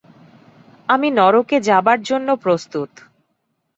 আমি নরকে যাবার জন্য প্রস্তুত।